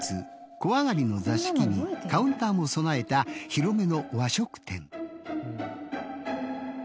小上がりの座敷にカウンターも備えた広めの和食店。